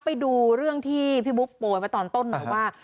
ไปดูเรื่องที่พี่บุ๊คโปรยไว้ตอนต้นหน่อยว่า